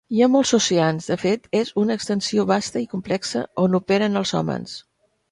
Hi ha molts oceans, de fet és una "extensió vasta i complexa" on operen els homes.